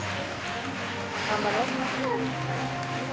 頑張ろう。